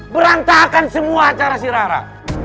berantakan semua acara si rara